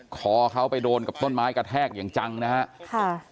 คอเขาไปโดนกับต้นไม้กระแทกอย่างจังนะฮะค่ะ